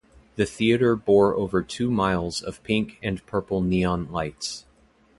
The theater bore over two miles of pink and purple neon lights.